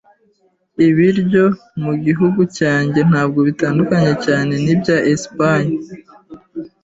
Ibiryo mu gihugu cyanjye ntabwo bitandukanye cyane nibya Espanye.